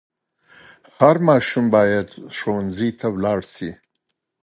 هر ماشوم باید ښوونځي ته ولاړ سي.